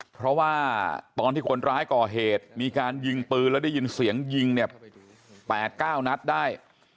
เพราะว่าตอนที่คนร้ายก่อเหตุมีการยิงปืนแล้วได้ยินเสียงยิงเนี่ย๘๙นัดได้